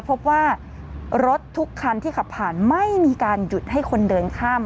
พบว่ารถทุกคันที่ขับผ่านไม่มีการหยุดให้คนเดินข้าม